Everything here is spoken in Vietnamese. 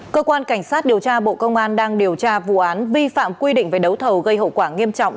cơ quan cảnh sát điều tra bộ công an đang điều tra vụ án vi phạm quy định về đấu thầu gây hậu quả nghiêm trọng